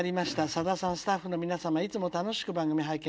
さださんスタッフの皆様いつも楽しく番組拝見しております。